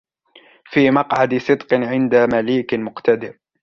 في مقعد صدق عند مليك مقتدر